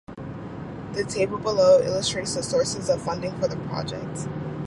The table below illustrates the sources of funding for the project.